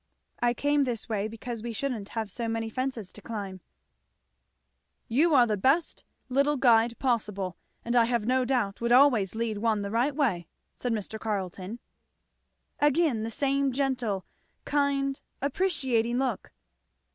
"I came this way because we shouldn't have so many fences to climb." "You are the best little guide possible, and I have no doubt would always lead one the right way," said Mr. Carleton. Again the same gentle, kind, appreciating look.